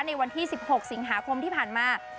ในวันที่๑๖สิงหาคมที่ผ่านมา